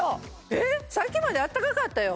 えっさっきまであったかかったよ？